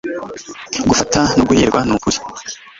gufata no guhirwa nukuri